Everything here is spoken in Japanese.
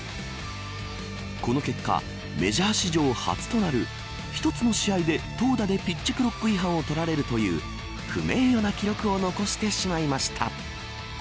この結果メジャー史上初となる一つの試合で投打でピッチクロック違反を取られるという不名誉な記録を残してしまいました。